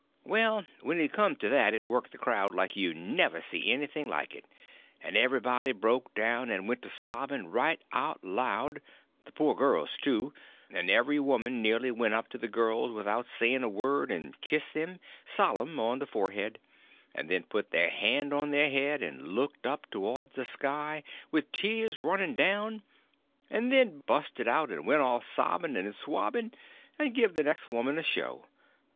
Well, when it come to that it worked the crowd like you never see anything like it, and everybody broke down and went to sobbing right out loud—the poor girls, too; and every woman, nearly, went up to the girls, without saying a word, and kissed them, solemn, on the forehead, and then put their hand on their head, and looked up towards the sky, with the tears running down, and then busted out and went off sobbing and swabbing, and give the next woman a show.